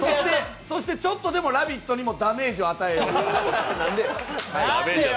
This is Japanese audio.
そしてちょっとでも「ラヴィット！」にもダメージを与える。